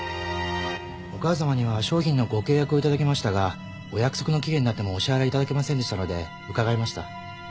お母さまには商品のご契約をいただきましたがお約束の期限になってもお支払いいただけませんでしたので伺いました。